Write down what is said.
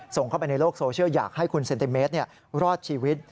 เข้าไปในโลกโซเชียลอยากให้คุณเซนติเมตรรอดชีวิต